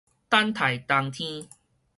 等待冬天